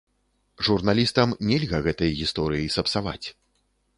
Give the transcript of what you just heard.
Журналістам нельга гэтай гісторыі сапсаваць.